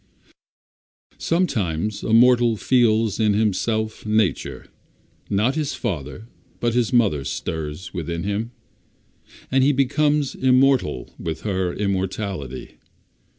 Sometimes a mortal feels in himself Nature, not his Father but his Mother stirs within him, and he becomes immortal with her immortality.